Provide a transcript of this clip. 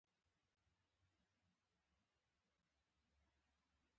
الله د ټولو مهربان دی.